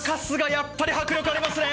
やっぱり迫力ありますね！